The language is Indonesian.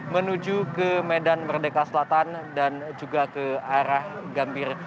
menuju ke medan merdeka selatan dan juga ke arah gambir